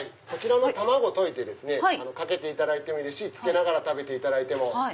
卵溶いてかけていただいてもいいですしつけながら食べていただいても。